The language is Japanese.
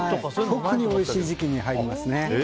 特においしい時期に入りますね。